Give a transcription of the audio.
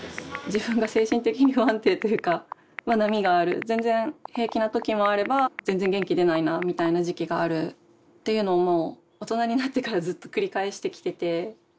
波がある全然平気な時もあれば全然元気出ないなみたいな時期があるっていうのも大人になってからずっと繰り返してきてて。